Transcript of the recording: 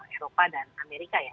eropa dan amerika ya